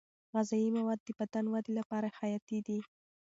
غذايي مواد د بدن ودې لپاره حیاتي دي.